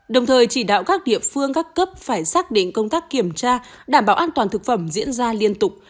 đồng thời chỉ đạo các địa phương các cấp phải xác định công tác kiểm tra đảm bảo an toàn thực phẩm diễn ra liên tục